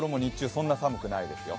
そんなに寒くないですよ。